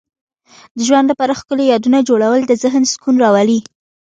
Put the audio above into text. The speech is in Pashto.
د ژوند لپاره ښکلي یادونه جوړول د ذهن سکون راوړي.